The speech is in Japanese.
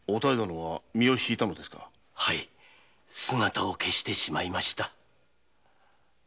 はい姿を消してしまいました。